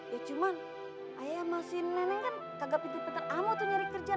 ya cuman ayah sama si neneng kan kagak pindah pindahkan amu tuh nyari kerjaan